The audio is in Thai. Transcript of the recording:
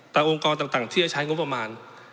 แต่องค์กรต่างที่จะใช้งบประมาณ